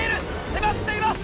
迫っています！